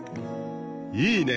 いいね。